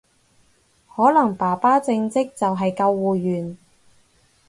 可能爸爸正職就係救護員